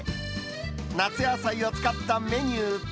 夏野菜を使ったメニュー。